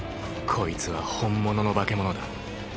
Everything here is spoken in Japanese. こいつは本物の化け物だ。